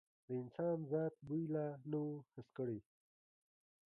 د انسان ذات بوی لا نه و حس کړی.